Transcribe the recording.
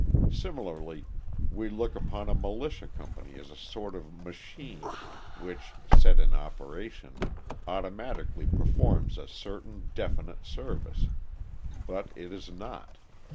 Similarly, we look upon a militia company as a sort of machine, which, set in operation, automatically performs a certain definite service. But it is not.